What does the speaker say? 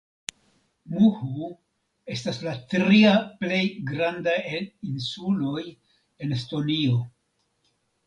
Muhu estas la tria plej granda el insuloj en Estonio.